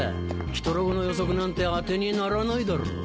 ヒトログの予測なんて当てにならないだろう。